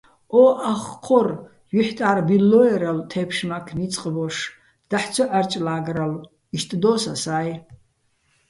ო ახ ჴორ ჲუჲჰ̦ტა́რ ბილლო́ერალო̆ თე́ფშმაქ, ნიწყ ბოშ, დაჰ̦ ცო ჺარჭლა́გრალო̆, იშტ დო́ს ასა́ჲ.